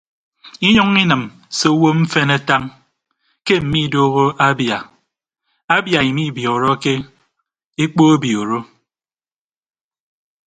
Inyʌññọ inịm se owo mfen atañ ke mmiidoho abia abia amaadibiọọrọke ekpo obioro.